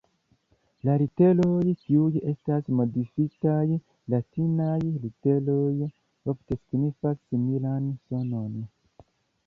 La literoj kiuj estas modifitaj latinaj literoj ofte signifas similan sonon.